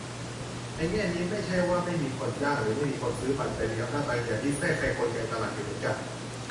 ในแง่นี้ ไม่ใช่ว่าไม่มีคนจ้าง หรือไม่มีคนซื้อบัตร แต่มีอำนาจบางอย่างที่แทรกแซงกลไกตลาดอยู่เหมือนกัน